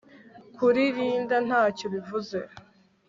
kuri rinda ntacyo bivuze